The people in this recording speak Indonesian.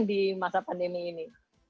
di masa pandemi ini